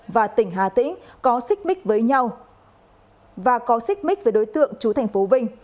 và tỉnh hà tĩnh có xích mích với nhau và có xích mích với đối tượng trú tp vinh